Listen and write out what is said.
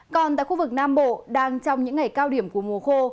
còn tại khu vực nam bộ đang trong những ngày cao điểm của mùa khô